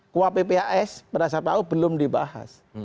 kua pphs pada saat itu belum dibahas